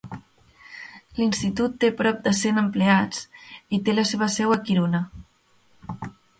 L'institut té prop de cent empleats i té la seva seu a Kiruna.